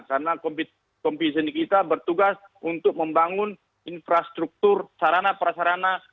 karena kompiseni kita bertugas untuk membangun infrastruktur sarana prasarana